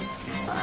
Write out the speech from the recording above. あ